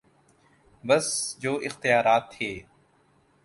بس جو اختیارات تھے۔